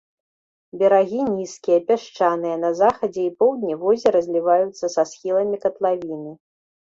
Берагі нізкія, пясчаныя, на захадзе і поўдні возера зліваюцца са схіламі катлавіны.